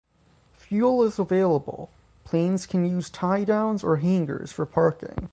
Fuel is available; planes can use tiedowns or hangars for parking.